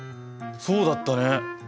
そうだったね。